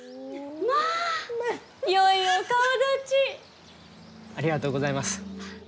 ありがとうございます。